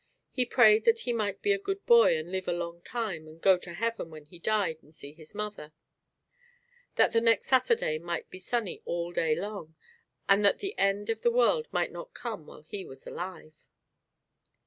He prayed that he might be a good boy and live a long time and go to Heaven when he died and see his mother; that the next Saturday might be sunny all day long, and that the end of the world might not come while he was alive.